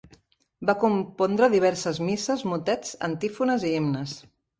Va compondre diverses misses, motets, antífones i himnes.